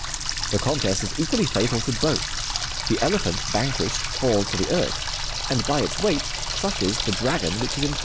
The contest is equally fatal to both ; the elephant, vanquished, falls to the earth, and by its weight, crushes the dragon which is entwined around it."